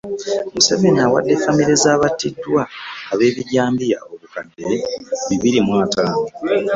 Museveni awadde ffamire z'abattiddwa ab'ebijambiya obukadde bibiri mu ataano.